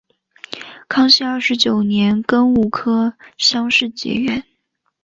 康熙二十九年庚午科乡试解元。